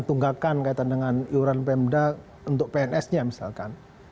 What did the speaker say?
tunggakkan kaitan dengan iuran pmda untuk pns nya misalkan